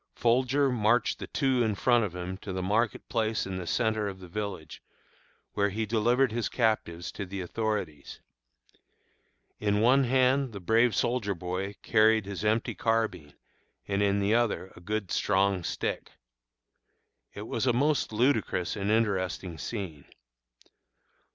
Folger marched the two in front of him to the market place in the centre of the village, where he delivered his captives to the authorities. In one hand the brave soldier boy carried his empty carbine, and in the other a good strong stick. It was a most ludicrous and interesting scene.